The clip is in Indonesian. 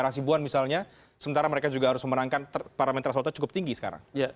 kebarang sibuan misalnya sementara mereka juga harus menangkan parlementari terasolnya cukup tinggi sekarang